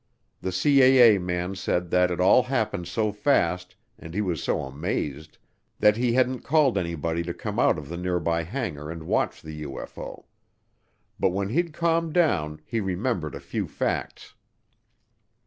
The CAA man said it all happened so fast and he was so amazed that he hadn't called anybody to come out of the nearby hangar and watch the UFO. But when he'd calmed down he remembered a few facts.